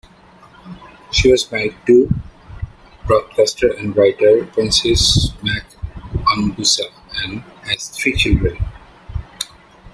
She was married to broadcaster and writer Proinsias Mac Aonghusa and has three children.